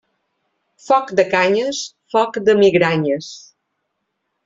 Foc de canyes, foc de migranyes.